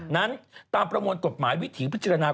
นั้นตามประมวลกฎหมายวิถีพจิงรองค์